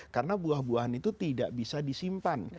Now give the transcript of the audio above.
karena buah buahan itu tidak bisa disimpan